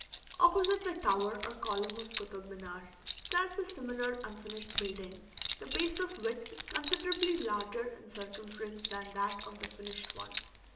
Opposite the tower or column of Kotab Minar stands a similar unfinished building, the base of which is considerably larger in circumference than that of the finished one.